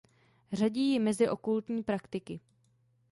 Řadí ji mezi okultní praktiky.